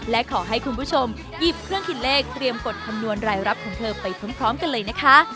และขอให้คุณผู้ชมหยิบเครื่องคิดเลขเตรียมกดคำนวณรายรับของเธอไปพร้อมกันเลยนะคะ